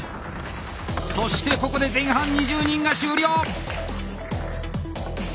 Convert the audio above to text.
そしてここで前半２０人が終了。